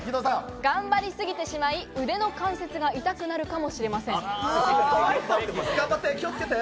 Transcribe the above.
頑張りすぎてしまい、腕の関節が痛くなるかもしれません。